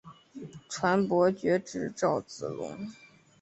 传伯爵至赵之龙。